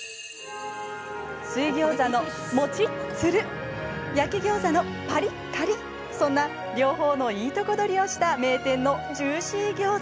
水ギョーザのもちっ、つるっ焼きギョーザのパリッ、カリッそんな両方のいいとこ取りをした名店のジューシーギョーザ！